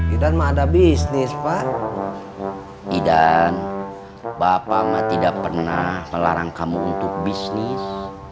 idan mah ada bisnis pak idan bapak mah tidak pernah melarang kamu untuk bisnis